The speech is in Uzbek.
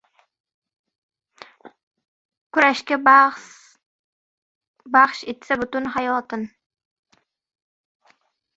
Kurashga baxsh etsa butun hayotin —